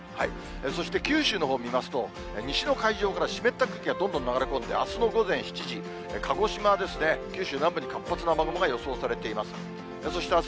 そして九州のほう見ますと、西の海上から湿った空気がどんどん流れ込んで、あすの午前７時、鹿児島ですね、九州南部に活発な雨雲が予想されています。